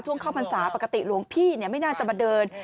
เข้าพรรษาปกติหลวงพี่ไม่น่าจะมาเดิน